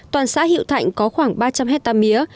toàn xã hiệu thạnh có khoảng ba trăm linh hectare mía